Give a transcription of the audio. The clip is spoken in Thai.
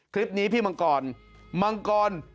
คลิปนี้พี่มังกรมังกร